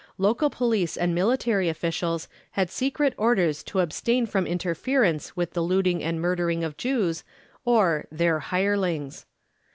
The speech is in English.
Local police and military officials had secret orders to abstain from interference with the looting and murdering of Jews or "their hirelings."